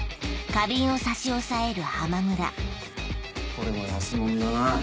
これも安物だな。